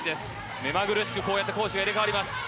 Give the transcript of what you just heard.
目まぐるしくこうやって攻守が入れ代わります。